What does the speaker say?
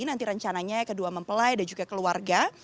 nanti rencananya kedua mempelai dan juga keluarga